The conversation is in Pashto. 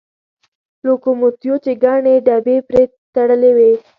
لوکوموتیو چې ګڼې ډبې پرې تړلې وې.